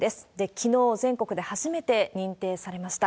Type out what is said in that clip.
きのう、全国で初めて認定されました。